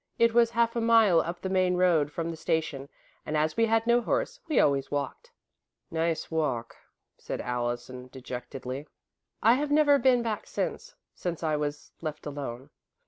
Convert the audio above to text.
It was half a mile up the main road from the station, and, as we had no horse, we always walked." "Nice walk," said Allison, dejectedly. "I have never been back since since I was left alone.